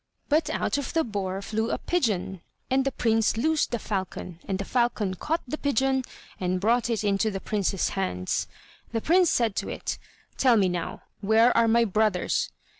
But out of the boar flew a pigeon, and the prince loosed the falcon, and the falcon caught the pigeon and brought it into the prince's hands. The prince said to it: "Tell me now, where are my brothers?"